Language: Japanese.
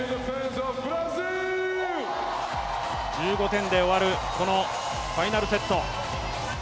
１５点で終わるこのファイナルセット。